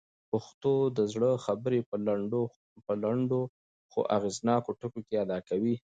پښتو د زړه خبرې په لنډو خو اغېزناکو ټکو کي ادا کوي.